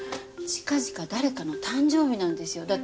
近々誰かの誕生日なんですよ。